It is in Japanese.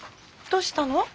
どうしたの？